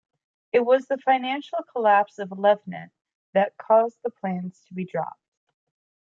It was the financial collapse of Livent that caused the plans to be dropped.